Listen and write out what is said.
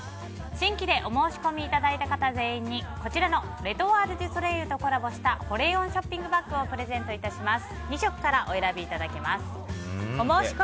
新規でお申し込みいただいた方全員に、こちらのレ・トワール・デュ・ソレイユとコラボした保冷温ショッピングバッグをプレゼント致します。